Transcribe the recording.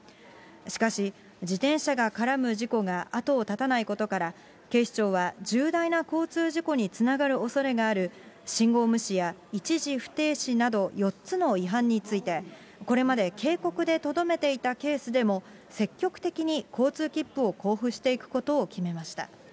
しかし、自転車が絡む事故が後を絶たないことから、警視庁は、重大な交通事故につながるおそれがある信号無視や一時不停止など、４つの違反について、これまで警告でとどめていたケースでも、積極的に交通切符を交付していくことを決めました。